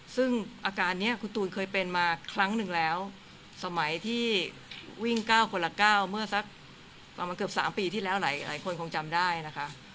ซึ่งอาการนี้คุณตูนเคยเป็นมาครั้งหนึ่งแล้วสมัยที่วิ่ง๙คนละ๙เมื่อสักประมาณเกือบ๓ปีที่แล้วหลายคนคงจำได้นะคะ